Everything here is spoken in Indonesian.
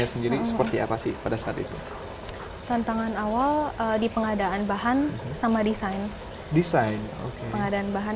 sendiri seperti apa sih pada saat itu tantangan awal di pengadaan bahan sama desain desain pengadaan bahan